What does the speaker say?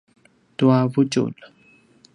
tua vutjulj